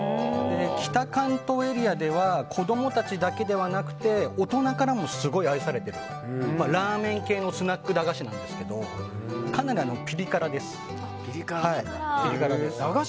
北関東エリアでは子供たちだけではなくて大人からもすごい愛されているラーメン系のスナック駄菓子なんですがかなり、ピリ辛です。